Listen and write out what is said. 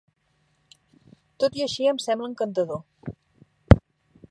Tot i així em sembla encantador.